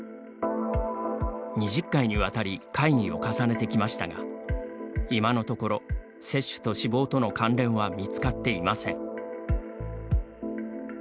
２０回にわたり会議を重ねてきましたが今のところ接種と死亡との関連は見つかっていません。